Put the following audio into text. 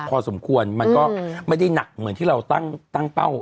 พอสมควรมันก็ไม่ได้หนักเหมือนที่เราตั้งเป้า